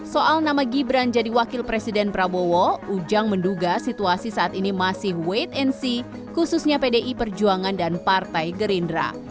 soal nama gibran jadi wakil presiden prabowo ujang menduga situasi saat ini masih wait and see khususnya pdi perjuangan dan partai gerindra